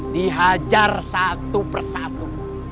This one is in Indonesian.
dihajar satu persatu